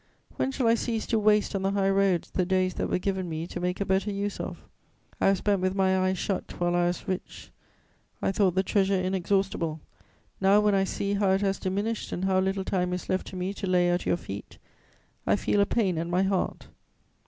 When shall I cease to waste on the high roads the days that were given me to make a better use of? I have spent with my eyes shut while I was rich; I thought the treasure inexhaustible. Now, when I see how it has diminished and how little time is left to me to lay at your feet, I feel a pain at my heart.